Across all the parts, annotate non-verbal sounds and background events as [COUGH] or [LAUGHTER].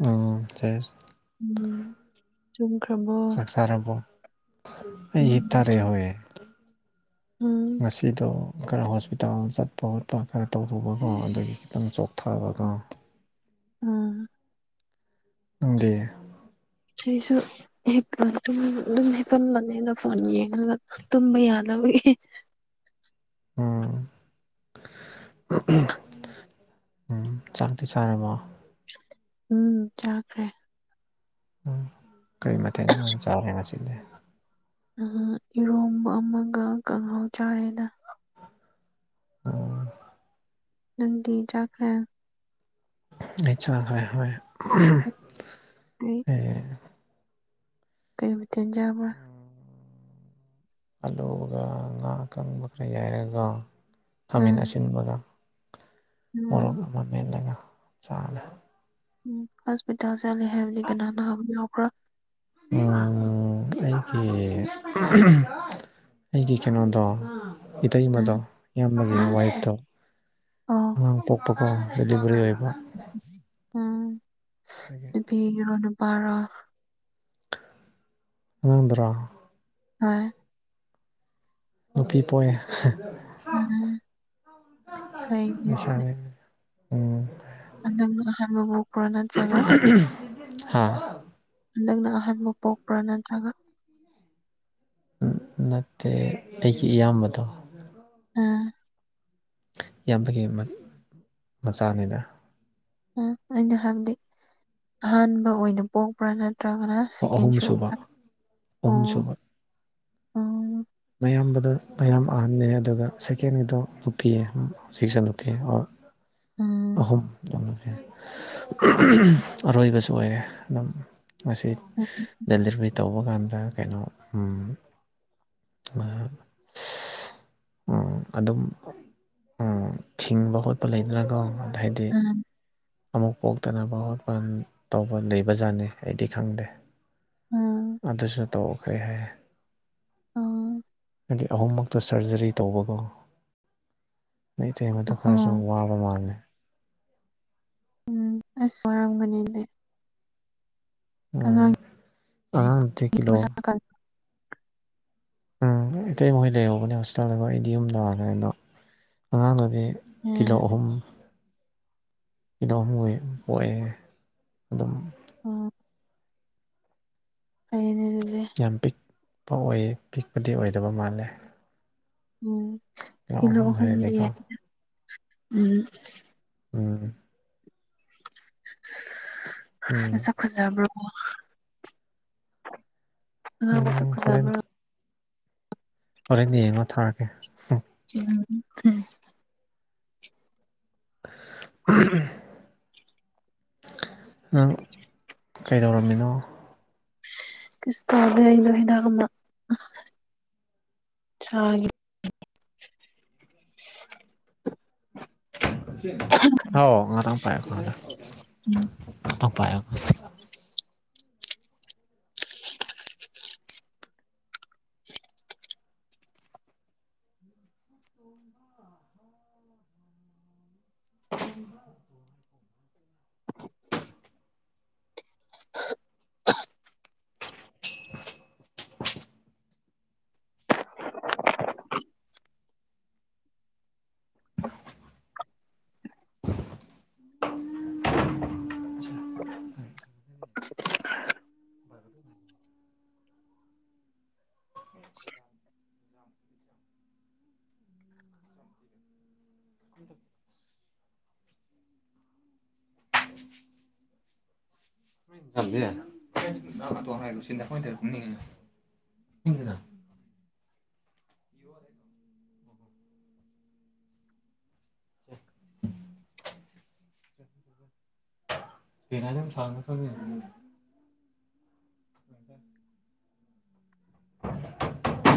ꯎꯝ ꯎꯝ ꯆꯨꯝꯈ꯭ꯔꯕꯣ ꯇꯥꯔꯕꯣ ꯎꯝ ꯎꯝ ꯉꯁꯤꯗꯣ ꯈꯔ ꯍꯣꯁꯄꯤꯇꯥꯜ ꯆꯠꯄ ꯈꯣꯠꯄ ꯈꯔ ꯇꯧꯔꯨꯕꯀꯣ ꯑꯗꯨꯒꯤ ꯈꯤꯇꯪ ꯆꯣꯛꯊꯕꯒꯣ ꯎꯝ ꯅꯪꯗꯤ ꯑꯩꯁꯨ ꯑꯗꯨꯝ ꯍꯤꯑꯣꯕꯅꯤꯗ ꯐꯣꯟ ꯌꯦꯡꯉꯒ ꯇꯨꯝꯕ ꯌꯥꯗꯕꯒꯤ ꯎꯝ ꯎꯝ ꯆꯥꯛꯇꯤ ꯆꯥꯔꯕꯣ ꯎꯝ ꯆꯥꯈꯔ꯭ꯦ ꯎꯝ ꯀꯔꯤ ꯃꯊꯦꯜ ꯑꯣꯏꯅ ꯆꯥꯔꯦ ꯉꯁꯤꯗꯤ ꯏꯔꯣꯝꯕ ꯑꯃꯒ ꯀꯥꯡꯍꯥꯎ ꯆꯥꯔꯦꯗ ꯑꯣ ꯅꯪꯗꯤ ꯆꯥꯈꯔ꯭ꯦ ꯑꯩ ꯆꯥꯈꯔ꯭ꯦ ꯍꯣꯏ ꯑꯩ ꯀꯩ ꯃꯊꯦꯜ ꯆꯥꯕ꯭ꯔꯥ ꯑꯜꯂꯨꯒ ꯉꯥ ꯀꯪꯕ ꯈꯔ ꯌꯥꯏꯔꯒ ꯈꯥꯃꯦꯟ ꯎꯝ ꯑꯁꯤꯟꯕꯒ ꯃꯣꯔꯣꯛ ꯎꯝ ꯑꯃ ꯃꯦꯠꯂꯒ ꯆꯥꯔꯦ ꯎꯝ ꯍꯣꯁꯄꯤꯇꯥꯜ ꯆꯠꯂꯤ ꯍꯥꯏꯕꯗꯤ ꯀꯅꯥ ꯅꯥꯕ ꯌꯥꯎꯕ꯭ꯔꯥ ꯑꯩꯒꯤ ꯑꯩꯒꯤ ꯀꯩꯅꯣꯗꯣ ꯏꯇꯩꯃꯗꯣ ꯎꯝ ꯏꯌꯥꯝꯕꯒꯤ ꯎꯝ ꯋꯥꯏꯐꯇꯣ ꯑꯣ ꯑꯉꯥꯡ ꯄꯣꯛꯄꯀꯣ ꯑꯗꯨꯗꯨꯒꯤ ꯑꯣꯏꯕ ꯎꯝ ꯑꯗꯒꯤ ꯅꯨꯄꯤꯔꯣ ꯅꯨꯄꯥꯔꯣ ꯑꯉꯥꯡꯗꯨꯔꯣ ꯍꯣꯏ ꯅꯨꯄꯤ ꯄꯣꯛꯏ [UNINTELLIGIBLE] ꯎꯝ ꯐꯩꯅꯦ ꯑꯗꯨꯗꯤ ꯂꯩꯁꯥꯕꯤ ꯎꯝ ꯍꯟꯗꯛꯅ ꯑꯍꯥꯟꯕꯕꯨ ꯍꯥ ꯍꯟꯗꯛꯅ ꯑꯍꯥꯟꯕ ꯄꯣꯛꯄ꯭ꯔꯥ ꯅꯠꯇ꯭ꯔꯒ ꯅꯠꯇꯦ ꯑꯩꯒꯤ ꯏꯌꯥꯝꯕꯗꯣ ꯎꯝ ꯏꯌꯥꯝꯕꯒꯤ ꯃꯆꯥꯅꯤꯗ ꯑꯩꯅ ꯍꯥꯏꯕꯗꯤ ꯑꯍꯥꯟꯕ ꯑꯣꯏꯅ ꯄꯣꯛꯄ꯭ꯔꯥ ꯅꯠꯇ꯭ꯔꯒꯅ ꯑꯣ ꯁꯦꯀꯦꯟ ꯑꯍꯨꯝ ꯁꯨꯕ ꯑꯍꯨꯝ ꯑꯣ ꯑꯣ ꯃꯌꯥꯝꯕꯗꯣ ꯃꯌꯥꯝꯕ ꯑꯍꯟꯅꯦ ꯑꯗꯨꯒ ꯁꯦꯀꯦꯟꯒꯤꯗꯣ ꯅꯨꯄꯤ ꯑꯃ ꯁꯤꯛꯁꯟ ꯑꯣꯀꯦ ꯎꯝ ꯑꯍꯨꯝ ꯌꯥꯝ ꯑꯔꯣꯏꯕꯁꯨ ꯑꯣꯏꯔꯦ ꯑꯗꯨꯝ ꯉꯁꯤ ꯗꯦꯂꯤꯚꯔꯤ ꯇꯧꯕ ꯀꯥꯟꯗ ꯀꯩꯅꯣ ꯑꯥ ꯎꯝ ꯑꯗꯨꯝ ꯎꯝ ꯊꯤꯡꯕ ꯈꯣꯠꯄ ꯂꯩꯗꯅꯀꯣ ꯑꯗꯩꯗꯤ ꯑꯃꯨꯛ ꯄꯣꯛꯇꯅꯕ ꯋꯥꯠꯄꯟ ꯇꯧꯕ ꯂꯩꯕꯖꯥꯠꯅꯤ ꯑꯩꯗꯤ ꯈꯪꯗꯦ ꯎꯝ ꯑꯗꯨꯁꯨꯅ ꯇꯧꯈꯩ ꯍꯥꯏ ꯎꯝ ꯍꯥꯏꯗꯤ ꯑꯍꯨꯝꯃꯛꯇ ꯁꯔꯖꯔꯤ ꯇꯧꯕꯒꯣ ꯑꯩ ꯇꯦꯝꯕꯗ ꯍꯣ ꯈꯔꯁꯨ ꯋꯥꯕ ꯃ ꯃꯥꯥꯟꯅꯦ ꯏꯁ ꯉꯔꯥꯡꯒꯅꯤꯗꯦ ꯎꯝ ꯑꯥꯡꯠꯇ ꯀꯂꯣ ꯃꯁꯥ ꯀꯟ ꯎꯝ ꯑꯇꯩ ꯃꯈꯣꯏ ꯂꯩꯍꯧꯕꯅꯦ ꯍꯣꯁꯄꯤꯇꯥꯜꯗꯀ ꯑꯩꯗꯤ ꯌꯨꯝꯗ ꯂꯥꯈ꯭ꯔꯦꯗꯣ ꯑꯉꯥꯡꯗꯨꯗꯤ ꯎꯝ ꯀꯂꯣꯍꯨꯝ ꯀꯤꯗꯧꯍꯨꯝꯈꯣꯏ ꯄꯣꯛꯑꯦ ꯑꯗꯨꯝ ꯑꯣ ꯐꯩꯅꯦ ꯑꯗꯨꯗꯤ ꯌꯥꯝ ꯄꯤꯛꯄ ꯑꯣꯏꯌꯦ ꯄꯤꯛꯄꯗꯤ ꯑꯣꯏꯗꯕ ꯃꯥꯜꯂꯦ ꯎꯝ ꯀꯤꯂꯣ ꯑꯍꯨꯝ ꯍꯥꯏꯔꯗꯤꯀꯣ ꯀꯂꯣꯍꯨꯝꯗꯤꯗ ꯎꯝ ꯎꯝ ꯎꯝ ꯃꯁꯛ ꯈꯨꯖꯕ꯭ꯔꯣ ꯃꯁꯛ ꯎꯝ ꯍꯣꯔꯦꯟ ꯈꯨꯖꯕ꯭ꯔꯣ ꯍꯣꯔꯦꯟ ꯌꯦꯡꯉꯣ ꯊꯥꯔꯛꯒꯦ ꯎꯝ [UNINTELLIGIBLE] ꯀꯩꯗꯧꯔꯝꯃꯤꯅꯣ ꯀꯁ ꯇꯧꯗꯦ ꯑꯩꯗꯣ ꯍꯤꯗꯥꯛ ꯑꯃ ꯆꯥ ꯍꯥꯎ ꯉꯥꯇꯪ ꯄꯥꯏꯌꯣ ꯀꯣ ꯉꯥꯇꯪ ꯎꯝ ꯇꯄꯥꯏꯈꯣꯏ [INAUDIBLE] [UNINTELLIGIBLE] [UNINTELLIGIBLE] [UNINTELLIGIBLE]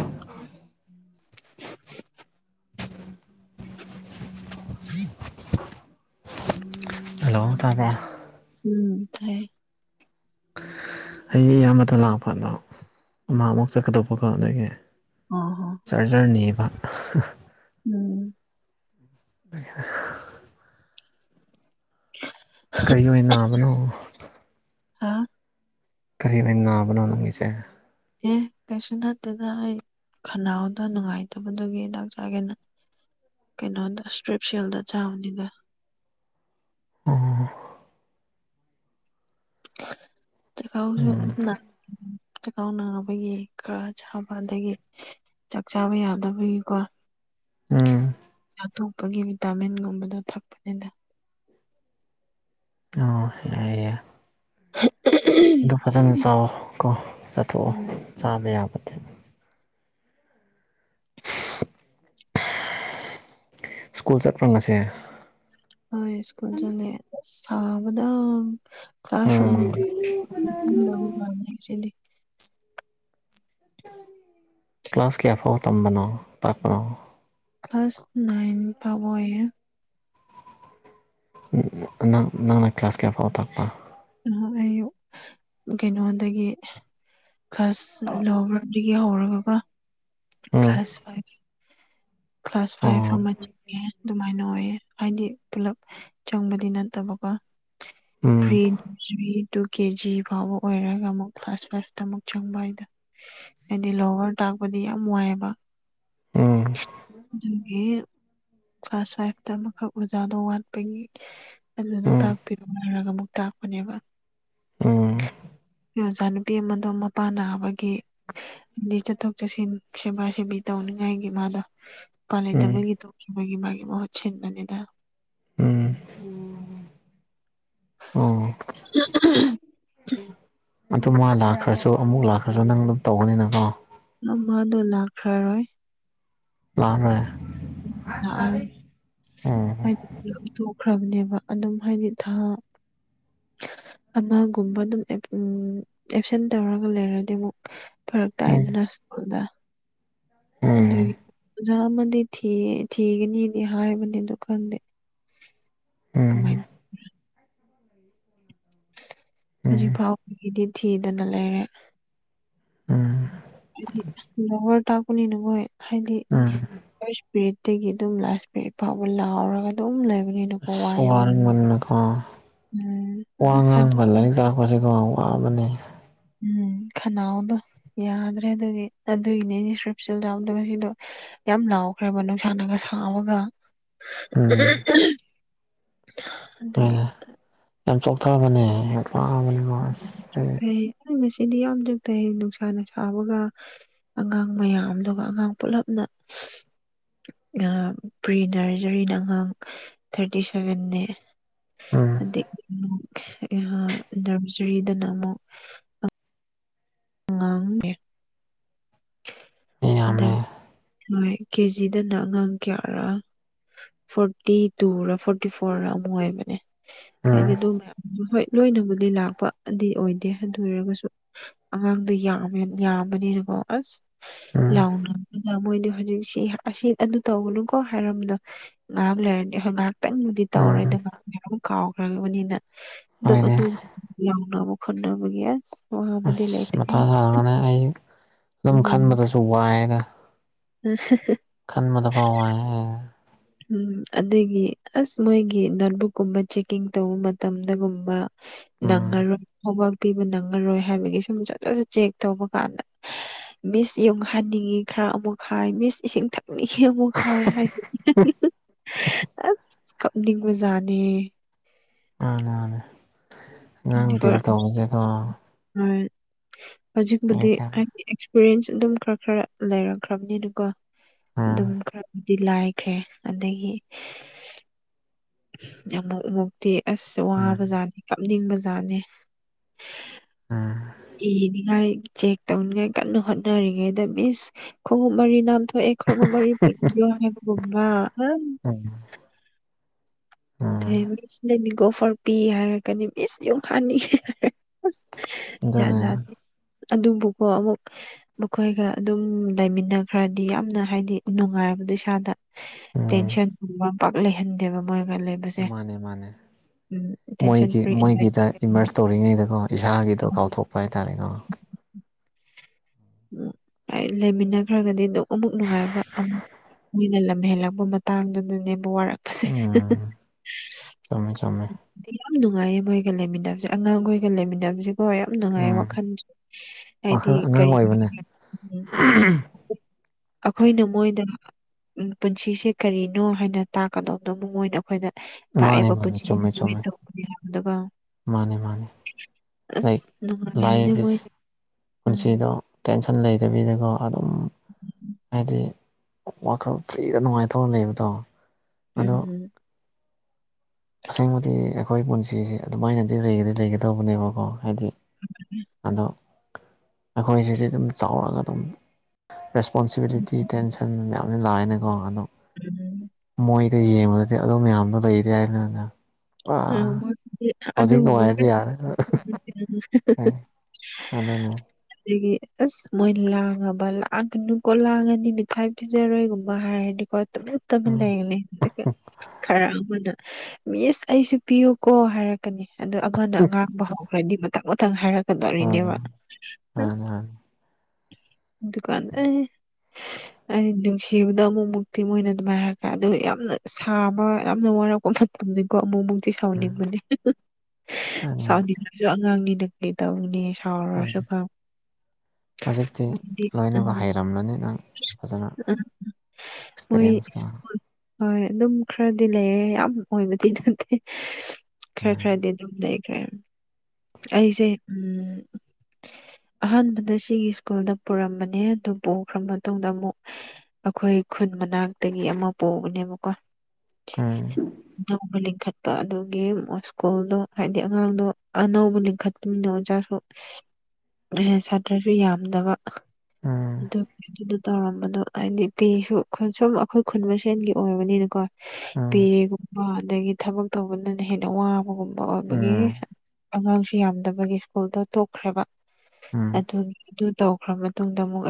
[INAUDIBLE] ꯍꯜꯂꯣ ꯇꯕꯔꫭ ꯎꯝ ꯇꯥꯏꯌꯦ ꯍꯌꯦꯡ ꯑꯃꯗꫭ ꯂꯥꯛꯄ ꯑꯗꯣ ꯑꯃ ꯑꯃꯨꯛ ꯆꯠꯀꯗꯧꯕꯀꯣ ꯅꯣꯏꯒꯤ ꯑꯥ ꯍꯥ ꯆꯥꯔꯖꯔꯅꯦꯕ ꯎꯝ [UNINTELLIGIBLE] ꯀꯔꯤ ꯑꯣꯏꯅ ꯅꯥꯕꯅꯣ ꯍꯥ ꯀꯔꯤ ꯑꯣꯏꯅ ꯅꯥꯕꯅꯣ ꯅꯪꯒꯤꯁꯦ ꯑꯦ ꯀꯩꯁꯨ ꯅꯠꯇꯦꯗ ꯑꯩ ꯈꯅꯥꯎꯗ ꯅꯨꯡꯉꯥꯏꯇꯕꯗꯨꯒꯤ ꯍꯤꯗꯥꯛ ꯆꯥꯒꯦꯅ ꯀꯩꯅꯣꯗ ꯏꯁꯇ꯭ꯔꯤꯞꯁꯤꯜꯗꯣ ꯆꯥꯕꯅꯤꯗ ꯑꯣ ꯑ ꯆꯈꯥꯎꯁꯨ ꯎꯝ ꯆꯈꯥꯎ ꯅꯥꯕꯒꯤ ꯈꯔ ꯆꯥꯕ ꯑꯗꯒꯤ ꯆꯥꯛ ꯆꯥꯕ ꯌꯥꯗꯕꯒꯤꯀꯣ ꯎꯝ ꯑꯥꯊꯣꯛꯄꯒꯤ ꯚꯤꯇꯥꯃꯤꯟꯒꯨꯝꯕꯗꯣ ꯊꯛꯄꯅꯤꯗ ꯑꯣ ꯍ ꯌꯥꯢ ꯑꯗꯨ ꯐꯖꯅ ꯆꯥꯎꯣ ꯀꯣ ꯆꯥꯊꯣꯛꯑꯣ ꯎꯝ ꯆꯥꯗ ꯌꯥꯕꯗꯤ ꯁ꯭ꯀꯨꯜ ꯆꯠꯄ ꯉꯁꯤ ꯍꯣꯏ ꯁ꯭ꯀꯨꯜ ꯆꯠꯂꯦ ꯁꯥꯕꯗ ꯎꯝ ꯀ꯭ꯂꯥꯁꯔꯨꯝꯒ [UNINTELLIGIBLE] ꯀ꯭ꯂꯥꯁ ꯀꯌꯥ ꯑꯐꯥꯎ ꯇꯝꯕꯅꯣ ꯇꯥꯄꯔ‌ꯣ ꯀ꯭ꯂꯥꯁ ꯅꯥꯏꯟ ꯐꯥꯎꯕ ꯑꫭꯏꯌ‌ꯦ ꯅꯪ ꯅꯪꯅ ꯀ꯭ꯂꯥꯁ ꯀꯌꯥ ꯐꯥꯎ ꯇꯥꯛꯄ ꯑꯩꯌꯨꯛ ꯀꯩꯅꯣꯗꯒꯤ ꯀ꯭ꯂꯥꯁ ꯂꯣꯋꯔꯗꯒꯤ ꯍꯧꯔꯒꯒ ꯎꯝ ꯀ꯭ꯂꯥꯁ ꯐꯥꯏꯚ ꯀ꯭ꯂꯥꯁ ꯐꯥꯏꯚ ꯑꯣ ꯑꯃ ꯆꯪꯉꯦ ꯑꯗꯨꯃꯥꯏꯅ ꯑꯣꯏꯌꯦ ꯍꯥꯏꯗꯤ ꯄꯨꯂꯞ ꯆꯪꯕꯗꯤ ꯅꯠꯇꯕꯀꯣ ꯎꯝ pre nursery to K G ꯐꯥꯎꯕ ꯑꯣꯏꯔꯒ ꯑꯃꯨꯛ ꯀ꯭ꯂꯥꯁ ꯐꯥꯏꯚꯇ ꯑꯃꯨꯛ ꯆꯪꯕ ꯍꯥꯏꯗ ꯍꯥꯏꯗꯤ ꯂꯣꯋꯔ ꯇꯥꯛꯄꯗꯤ ꯌꯥꯝ ꯋꯥꯏꯌꯦꯕ ꯎꯝ ꯑꯗꯨꯒꯤ ꯀ꯭ꯂꯥꯁ ꯐꯥꯏꯚꯇ ꯑꯃꯈꯛ ꯑꯣꯖꯥꯗꯣ ꯋꯥꯠꯄꯒꯤ ꯑꯗꯨꯗꯣ ꯎꯝ ꯇꯥꯛꯄꯤꯔꯝꯃ‌ꯣ ꯍꯥꯏꯔꯒ ꯑꯃꯨꯛ ꯇꯥꯛꯄꯅꯦꯕ ꯑꯣꯖꯥ ꯅꯨꯄꯤ ꯑꯃꯗꯣ ꯃꯄꯥ ꯅꯥꯕꯒꯤ ꯗꯤ ꯆꯠꯊꯣꯛ ꯆꯠꯁꯤꯟ ꯁꯦꯕꯥ ꯁꯦꯕꯤ ꯇꯧꯅꯤꯡꯉꯥꯏꯒꯤ ꯃꯥꯗꫭ ꯎꯄꯥꯏ ꯎꯝ ꯎꯝ ꯂꯩꯇꯕꯒꯤ ꯇ‌ꯣꯛꯈꯤꯕꯒꯤ ꯃꯥꯒꯤ ꯃꯍꯨꯠ ꯁꯤꯟꯕꯅꯤꯗ ꯎꯝ ꯑꯣ [UNINTELLIGIBLE] ꯑꯗꯨ ꯃꯥ ꯂꯥꯛꯈ꯭ꯔꯁꯨ ꯑꯃꯨꯛ ꯂꯥꯛꯈ꯭ꯔꯁꯨ ꯅꯪ ꯑꯗꯨꯝ ꯇꯧꯒꯅꯤꯅꯀꯣ ꯃ ꯃꯥꯗ‌ꯣ ꯂꯥꯛꯈ꯭ꯔꯥꯔꯣꯏ ꯂꯥꯛꯑꯔ‌ꯣꯏ ꯂꯥꯛꯑꯔꯣꯏ ꯎꯝ ꯍꯥꯏꯗꯤ ꯄꯨꯂꯞ ꯊꯣꯛꯈ꯭ꯔꯕꯅꯦꯕ ꯑꯗꯨꯝ ꯍꯥꯏꯗꯤ ꯊꯥ ꯑꯃꯒꯨꯝꯕ ꯑꯗꯨꯝ ꯎ ꯑꯦꯞꯁꯦꯟ ꯇꯧꯔꯒ ꯂꯩꯔꯗꯤ ꯑꯃꯨꯛ ꯐꯔꯛ ꯎꯝ ꯇꯥꯏꯗꯅ ꯁ꯭ꯀꯨꯜꯗ ꯎꯝ ꯑꯗꯨꯒꯤ ꯑꯣꯖꯥ ꯑꯃꯗꯤ ꯊꯤꯌ‌ꯦ ꯊꯤꯒꯅꯤꯗꯤ ꯍꯥꯏꯕꯅꯦ ꯑꯗ‌ꯣ ꯈꯪꯗꯦ ꯎꯝ ꯀꯃꯥꯏꯟ ꯎꯝ ꯍꯧꯖꯤꯛ ꯐꯥꯎꯕꯒꯤꯗꯤ ꯊꯤꯗꯅ ꯂꯩꯔꯦ ꯎꯝ ꯍꯥꯏꯗꯤ ꯂꯧꯋꯔ ꯇꯥꯛꯄꯅꯤꯅ ꯃ‌ꯣꯏ ꯍꯥꯏꯗꯤ ꯎꯝ ꯐꯥꯔꯁ ꯄꯤꯔꯤꯠꯇꯒꯤ ꯑꯗꯨꯝ ꯂꯥꯁ ꯄꯤꯔꯤꯠ ꯐꯥꯎꯕ ꯂꯥꯎꯔꯒ ꯑꯗꯨꯝ ꯂꯩꯕꯅꯤꯅꯀꯣ ꯋꯥꯏꯌ‌ꯦ ꯑꯥ ꯋꯥ ꯑꯁ ꯍꯟꯗꯛ ꯉꯥꯡꯕ ꯂꯥꯏꯔꯤꯛ ꯇꯥꯛꯄꯁꯤꯀꯣ ꯋꯥꯕꯅꯦ ꯎꯝ ꯈꯅꯥꯎꯗꯣ ꯌꯥꯗ꯭ꯔꯦ ꯑꯗꯨꯗꯤ ꯑꯗꯨꯒꯤꯅꯦ ꯁ꯭ꯇꯔꯤꯞꯁꯤꯟ ꯌꯥꯎꯗꯕꯒꯤꯗꯣ ꯌꯥꯝ ꯂꯥꯎꯈ꯭ꯔꯦꯕ ꯅꯨꯡ ꯁꯥꯅꯒ ꯁꯥꯥꯕꯒ ꯎꯝ ꯑꯗꯨꯒꯤ ꯍꯣꯏꯅꯦ ꯌꯥꯝ ꯆꯣꯛꯊꯕꯅꯦ ꯌꯥꯝ ꯋꯥꯕꯅꯤꯉ‌ꯣ ꯑꯁ ꯆ‌ꯣꯛꯊꯩ ꯑꯩ ꯉꯁꯤꯗꯤ ꯌꯥꯝ ꯆ‌ꯣꯛꯊꯩ ꯅꯨꯡꯁꯥꯅ ꯁꯥꯕꯒ ꯑꯉꯥꯡ ꯃꯌꯥꯝꯗꯨꯒ ꯑꯉꯥꯡ ꯄꯨꯜꯂꯞꯅ ꯄ꯭ꯔꯤꯅꯔꯖꯔꯤꯅ ꯑꯉꯥꯡ ꯊꯥꯔꯇꯤ ꯁꯚꯦꯟꯅꯦ ꯎꯝ ꯑꯗꯩ ꯑꯥ ꯅꯔꯖꯔꯤꯗꯅ ꯑꯃꯨꯛ ꯑꯉꯥꯡꯅꯦ ꯃꯤ ꯍꯟꯗꯛ ꯌꯥꯝꯃꯦ ꯂ‌ꯣꯏ ꯀꯦꯖꯤꯗꯅ ꯑꯉꯥꯡ ꯀꯌꯥꯔꯥ ꯐꯣꯔꯇꯤ ꯇꯨꯔ ꯐꯣꯔꯇꯤ ꯐꯣꯔ ꯔꯥ ꯑꯃꯨꯛ ꯑꯣꯏꯕꯅꯦ ꯍꯥꯏꯗꯤ ꯎꯝ ꯑꯗꯨ ꯃꯌꯥꯝ ꯍꯣꯏ ꯂꯣꯏꯅꯕꯨꯗꯤ ꯂꯥꯛꯄꯗꯤ ꯑꯣꯏꯗꯦ ꯑꯗꯨ ꯑꯣꯏꯔꯒꯁꯨ ꯑꯉꯥꯡꯗꯣ ꯌꯥꯝꯃꯦ ꯌꯥꯝꯕꯅꯤꯅꯀꯣ ꯑꯁ ꯎꯝ ꯂꯥꯎꯅꯕꯗ ꯃꯣꯏꯗꯤ ꯍꯧꯖꯤꯛꯁꯤ ꯑꯁꯤ ꯑꯗꯨ ꯇꯧꯒꯅꯨꯀꯣ ꯍꯥꯏꯔꯝꯕꯗꯣ ꯉꯥꯏꯍꯥꯛ ꯂꯩꯔꯗꯤ ꯍꯣꯏ ꯉꯥꯏꯍꯥꯛꯇꯪꯕꯨꯗꯤ ꯎꯝ ꯇꯧꯔ‌ꯣꯏꯗꯕ [UNINTELLIGIBLE] ꯀꯥꯎꯈ꯭ꯔꯕꯅꯤꯅ ꯑꯗꯨꯝ ꯍꯣꯏꯅꯦ ꯑꯗꯨ ꯂꯥꯎꯅꯕ ꯈꯣꯠꯅꯕꯒꯤ ꯑꯁ [UNINTELLIGIBLE] ꯕꯗꯤ ꯑꯁ ꯂꯩꯥꯇꯔ‌ꯦ ꯃꯊꯥ ꯁꯥꯔꯒꯅꯦ ꯑꯩ ꯑꯗꯨꯝ ꯈꯟꯕꯗꯁꯨ ꯋꯥꯏꯅ ꯈꯟꯕꯗꯐꯥꯎ ꯋꯥꯏ ꯎꯝ ꯑꯗꯒꯤ ꯑꯁ ꯃꯣꯏꯒꯤ ꯅꯣꯠꯕꯨꯛꯀꯨꯝꯕ ꯆꯦꯛꯀꯤꯡ ꯇꯧꯕ ꯃꯇꯝꯗꯒꯨꯝꯕ ꯎꯝ ꯅꯪꯉꯔ‌ꯣꯏ [UNINTELLIGIBLE] ꯄꯤꯕ ꯅꯪꯉꯔꯣꯏ ꯍꯥꯏꯕꯒꯤ ꯁꯨꯝ ꯆꯠ ꯆꯠꯖꯠ ꯆꯦꯛ ꯇꯧꯕ ꯀꯥꯟꯗ ꯃꯤꯁ ꯌꯨꯡꯍꯟꯅꯤꯡꯉꯤ ꯈꯔ ꯑꯃꯨꯛ ꯍꯥꯏ ꯃꯤꯁ ꯏꯁꯤꯡ ꯊꯛ ꯍꯦꯃꯨ ꯈꯥꯏ ꯍꯥꯏꯗꯤ ꯑꯁ ꯀꯞꯅꯤꯡꯕꯨꯖꯥꯅꯤ ꯑꯅꯦꯅꯦ [UNINTELLIGIBLE] ꯑꯩ ꯍꯧꯖꯤꯛꯄꯨꯗꯤ ꯀꯌꯥ ꯔ‌ꯦꯟꯁꯨ ꯑꯗꯨꯝ ꯈꯔ ꯈꯔ ꯂꯩꯔꯛꯈ꯭ꯔꯕꯅꯤꯅ ꯀꫭ ꯎꯝ ꯑꯗꯨꯝ ꯈꯔ ꯗꯤ ꯂꯥꯏꯈ꯭ꯔꯦ ꯑꯗꯒꯤ ꯑꯝꯨꯛ ꯃꯨꯛꯇꯤ ꯑꯁ ꯎꯝ ꯋꯥꯕꯖꯥꯠꯅꯦ ꯀꯞꯅꯤꯡꯕ ꯖꯥꯠꯅꯦ ꯎꯝ ꯏꯅꯤꯉꯥꯏ ꯆꯦꯛ ꯇꯧꯅꯤꯉꯥꯏ ꯀꯟꯅ ꯍꯣꯠꯅꯔꯤꯉꯩꯗ ꯃꯤꯁ ꯈꯣꯡꯎꯞ ꯃꯔꯤ ꯅꯥꯟꯊꯣꯛꯑꯦ ꯈꫭꯡꯎꯨꯞ ꯃꯔꯤ ꯀꯤꯕꯤꯌ‌ꫭ ꯍꯥꯏꯕꯒꯨꯝꯕ ꯎꯝ ꯎꯝ ꯑꯗꯩ ꯃꯤꯁ ꯂꯩ ꯒꯣ ꯐꯔꯄꯤ ꯍꯥꯏꯔꯛꯀꯅꯤ ꯃꯤꯁ ꯌꯨꯡ ꯍꯥꯟꯅꯤꯡꯉ‌ꯦ ꯍꯥꯏꯔ ꯑꯁ ꯖꯥꯠ ꯑꯗꯨꯅꯦ ꯖꯥꯠꯅꯤ ꯑꯗꯨꯕꯨꯀꯣ ꯑꯃꯨꯛ ꯃꯈꯣꯏꯒ ꯑꯗꯨꯝ ꯂꯩꯃꯤꯟꯅꯈ꯭ꯔꯗꯤ ꯌꯥꯝꯅ ꯍꯥꯏꯗꯤ ꯅꯨꯡꯉꯥꯏꯕꯗꯣ ꯏꯁꯥꯗ ꯎꯝ ꯇꯦꯟꯁꯟꯒꯨꯝꯕ ꯄꯥꯛ ꯂꯩꯍꯟꯗꯦꯕ ꯃꯣꯏꯒ ꯂꯩꯕꯁꯦ ꯃꯥꯅꯦ ꯃꯥꯅꯦ ꯎꯝ ꯇꯦꯟꯁꯟ ꯃꯣꯏꯒꯤ ꯐ꯭ꯔꯤ ꯑꯦꯟꯖꯥꯏꯇꯤ ꯃꯣꯏꯒꯤꯗ ꯏꯃꯔꯁ ꯇꯧꯔꯤꯉꯩꯗꯀꯣ ꯏꯁꯥꯒꯤꯗꯣ ꯀꯥꯎꯊꯣꯛꯄ ꯍꯥꯏꯇꯥꯥꯔꯦꯀꯣ ꯎꯝ ꯑꯩ ꯂꯩꯃꯤꯟꯅꯈ꯭ꯔꯒꯗꯤ ꯑꯗꯨꯝ ꯑꯃꯨꯛ ꯅꯨꯡꯉꯥꯏꯕ ꯑꯃꯨꯛ ꯃꯣꯏꯅ ꯂꯝ ꯍꯦꯜꯂꯛꯄ ꯃꯇꯥꯡꯗꯨꯗꯅꯦꯕꯨ ꯋꯥꯔꯛ ꯎꯝ ꯆꯨꯝꯃꯦ ꯆꯨꯝꯃꯦ ꯑꯩꯗꯤ ꯌꯥꯝ ꯅꯨꯡꯉꯥꯏꯌꯦ ꯃꯣꯏꯒ ꯂꯩꯃꯤꯟꯅꯕꯁꯦ ꯑꯉꯥꯡꯈꯣꯏꯒ ꯂꯩꯃꯤꯟꯅꯕꯁꯦ ꯍꫭꯏ ꯌꯥꯝ ꯅꯨꯡꯉꯥꯏ ꯎꯝ ꯋꯥꯈꯜꯁꯨ ꯍꯥꯏꯗꯤ ꯋꯥꯈꯜ ꯀꯔꯤ ꯎꯝ, [UNINTELLIGIBLE] ꯑꯩꯈꯣꯏꯅ ꯃꯣꯏꯗ ꯎꯝ ꯄꯨꯟꯁꯤꯁꯦ ꯀꯔꯤꯅꯣ ꯍꯥꯏꯅ ꯇꯥꯛꯀꯗꯧꯕꯗꯣ ꯃꯣꯏꯅ ꯑꯃꯨꯛ ꯑꯩꯈꯣꯏꯗ ꯃꯥꯅꯦ ꯇꯥꯛꯑꯦꯀꯣ ꯃꯥꯅꯦ ꯄꯨꯟꯁꯤꯁ‌ꯦ ꯆꯨꯝꯃꯦ ꯁꯨꯃꯥꯏꯅ ꯆꯨꯝꯃꯦ ꯇꯧꯕꯅꯦ ꯍꯥꯏꯕꯗꫭꯀꫭ ꯃꯥꯅꯦ ꯃꯥꯅꯦ ꯂꯥꯏꯛ ꯑꯁ ꯅꯨꯡꯉꯥꯏꯕꯅꯦ ꯂꯥꯏꯐ ꯃꯣꯏꯒ ꯏꯁ ꯄꯨꯟꯁꯤꯗꯣ ꯇꯦꯟꯁꯟ ꯂꯩꯇꯕꯤꯗꯀꯣ ꯑꯗꯨꯝ ꯍꯥꯏꯗꯤ ꯋꯥꯈꯜ ꯐ꯭ꯔꯤꯗ ꯅꯨꯡꯉꯥꯏꯊꫭꯛꯅ ꯂꯩꯕꯗꯣ ꯑꯗꯣ ꯎꯝ ꯑꯁ‌ꯦꯡꯕꯗꯤ ꯑꯩꯈꯣꯏ ꯄꯨꯟꯁꯤꯁꯦ ꯑꯗꯨꯃꯥꯏꯅꯗꯤ ꯂꯩꯒꯗꯤ ꯂꯩꯒꯗꯧꯕꯅꯦꯕꯀꯣ ꯍꯥꯏꯗꯤ ꯑꯗꯣ ꯑꯩꯈꯣꯏꯁꯤꯗꯤ ꯑꯗꯨꯝ ꯆꯥꯎꯔꯒ ꯑꯗꯨꯝ ꯔꯦꯁꯄꯣꯟꯁꯤꯕꯤꯂꯤꯇꯤ ꯇꯦꯟꯁꯟ ꯃꯌꯥꯝꯅ ꯂꯥꯛꯑꯅ ꯀꯣ ꯑꯗꯨꯝ ꯃꯣꯏꯗ ꯌꯦꯡꯕꯗꯗꯤ ꯑꯗꯨ ꯃꯌꯥꯝꯗꯨꯗꯤ ꯍꯥꯏꯅꯅ ꯄꯨꯔꯥ ꯎꯝ ꯃꯣꯏꯗꯤ ꯍꯧꯖꯤꯛ ꯅꯨꯡꯉꯥꯏꯔꯗꯤ ꯌꯥꯔꯦ ꯐꯣꯁ [UNINTELLIGIBLE] ꯑꯗꯨꯅꯦ ꯑꯗꯨꯒꯤ ꯑꯁ ꯃꯣꯏ ꯂꯥꯡꯉꯕ ꯂꯥꯡꯒꯅꯨꯀꯣ ꯂꯥꯡꯉꯗꯤ ꯃꯤꯊꯥꯏ ꯄꯤꯖꯔꯣꯏꯒꯨꯝꯕ ꯍꯥꯏꯔꯗꯤ ꯍꯣꯏ ꯇꯨꯃꯤꯟ [UNINTELLIGIBLE] ꯇꯨꯃꯤꯟ ꯎꯝ ꯂꯩꯒꯅꯤ ꯑꯗꯨꯒ ꯈꯔ ꯑꯃꯅ ꯃꯤꯁ ꯑꯩꯁꯨ ꯄꯤꯌꯨꯀꯣ ꯍꯥꯏꯔꯛ ꯀꯅꯤ ꯑꯗꯣ ꯑꯃꯅ ꯑꯉꯥꯡꯕ ꯍꯧꯈ꯭ꯔꯗꯤ ꯃꯊꯪ ꯃꯊꯪ ꯍꯥꯏꯔꯛ ꯍꯣꯏ ꯗꯔꯤꯅꯦꯕ ꯍꯣꯏ ꯀꯥꯟꯗ [UNINTELLIGIBLE] ꯑꯩ ꯅꯨꯡꯁꯤꯕꯗꫭ ꯑꯃꯨꯛ ꯃꯨꯛꯇꯤ ꯃꯣꯏꯅ ꯑꯗꯨꯃꯥꯏ ꯍꯥꯏꯔꯛꯒ ꯑꯗꯨ ꯌꯥꯝꯅ ꯁꯥꯕ ꯌꯥꯝꯅ ꯋꯥꯔꯛꯄ ꯀꯝ ꯐꯠꯇꯅꯤꯀꯣ ꯑꯃꯨꯛꯃꯨꯛꯇꯤ ꯁꯥꯎꯅꯤꯡꯕꯅꯦ ꯍꯣꯏ ꯁꯥꯎꯅꯤꯡꯕꯁꯨ ꯑꯉꯥꯡꯅꯤꯅ ꯀꯔꯤ ꯇꯧꯅꯤ ꯎꯝ ꯁꯥꯎꯔꯨꯔꯁꯨ ꯉꯥꯡ ꯍꯧꯖꯤꯛꯇꯤ ꯂꯣꯏꯅꯕ ꯍꯩꯔꯝꯂꯅꯤ ꯅꯪ ꯐꯖꯅ ꯎꯝ ꯃꯣꯏ ꯑꯦꯛꯁꯄꯤꯔꯤꯌꯦꯟꯁꯀ ꯍꯣꯏ ꯑꯗꯨꯝ ꯈꯔꯗꯤ ꯂꯩꯔꯦ ꯌꯥꯝ ꯑꯣꯏꯕꯗꯤ ꯅꯠꯇꯦ ꯈꯔ ꯈꯔꯗꯤ ꯑꯗꯨꯝ ꯂꯩꯈ꯭ꯔꯦ ꯑꯩꯁꯦ ꯎꯝ ꯑꯍꯥꯟꯕꯗ ꯁꯤꯒꯤ ꯁ꯭ꯀꯨꯜꯗ ꯄꯨꯔꯝꯕꯅꯦ ꯑꯗꯨ ꯄꯨꯈ꯭ꯔꯥ ꯃꯇꯨꯡꯗ ꯑꯃꯨꯛ ꯑꯩꯈꯣꯏ ꯈꯨꯟ ꯃꯅꯥꯛꯇꯒꯤ ꯑꯃ ꯄꯨꯕꯅꯦꯕꯀꯣ ꯎꯝ ꯑꯅꯧꯕ ꯂꯤꯡꯈꯠꯄ ꯑꯗꯨꯒꯤ ꯁ꯭ꯀꯨꯜꯗꯣ ꯍꯥꯏꯗꯤ ꯑꯉꯥꯡꯗꯣ ꯑꯅꯧꯕ ꯂꯤꯡꯈꯠꯄꯅꯤꯅ ꯑꯣꯖꯥꯁꯨ ꯁꯥꯇ꯭ꯔꯁꯨ ꯌꯥꯝꯗꯕ ꯎꯝ ꯑꯗꯨꯒꯤ ꯇꯧꯔꯝꯕꯗꯣ ꯍꯥꯏꯗꯤ ꯀꯩꯁꯨ ꯁꯨꯝ ꯑꯩꯈꯣꯏ ꯈꯨꯟ ꯃꯁꯦꯟꯒꯤ ꯑꯣꯏꯕꯅꯤꯅꯀꯣ ꯎꯝ ꯄꯦꯒꯨꯝꯕ ꯑꯗꯒꯤ ꯊꯕꯛ ꯇꯧꯕꯗꯅ ꯍꯦꯟꯅ ꯋꯥꯕꯒꯨꯝꯕ ꯑꯣꯏꯕꯒꯤ ꯎꯝ ꯑꯉꯥꯡꯁꯨ ꯌꯥꯝꯗꯕꯒꯤ ꯁ꯭ꯀꯨꯜꯗꯣ ꯇꯣꯛꯈ꯭ꯔꯦꯕ ꯎꯝ ꯑꯗꯨ ꯑꯗꯨ ꯇꯧꯈ꯭ꯔꯕ ꯇꯨꯡꯗꯃꯛ [INAUDIBLE]